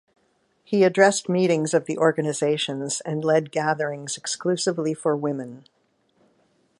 He addressed meetings of the organisations, and led gatherings exclusively for women.